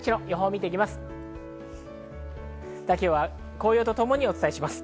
紅葉とともにお伝えします。